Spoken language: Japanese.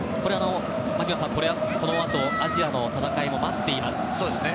槙野さん、このあとアジアの戦いも待っていますが。